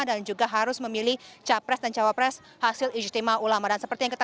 juga harus memilih capres dan cawapres hasil ijtima ulama